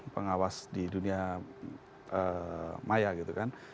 pengawas di dunia maya gitu kan